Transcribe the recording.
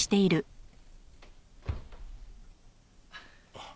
あっ。